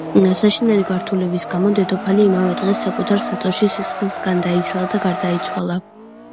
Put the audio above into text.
საშინელი გართულებების გამო, დედოფალი იმავე დღეს, საკუთარ საწოლში სისხლისგან დაიცალა და გარდაიცვალა.